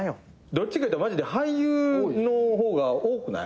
どっちかいうとマジで俳優の方が多くない？